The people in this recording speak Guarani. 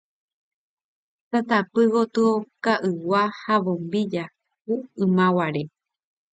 tatapy gotyo ka'ygua ha bombilla ku ymaguare